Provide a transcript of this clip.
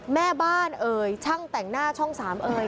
แม่บ้านเอ่ยช่างแต่งหน้าช่อง๓เอ่ย